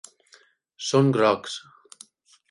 Són grocs.